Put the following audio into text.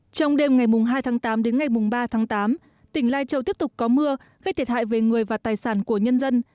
trong đêm ngày hai tháng tám đến ngày ba tháng tám tỉnh lai châu tiếp tục có mưa gây thiệt hại về người và tài sản của nhân dân